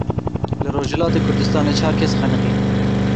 Li Rojhilatê Kurdistanê çar kes xeniqîn.